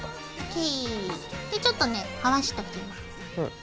でちょっとねはわしておきます。